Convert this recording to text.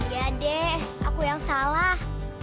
ya deh aku yang salah